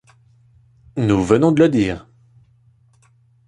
Nous venons de le dire.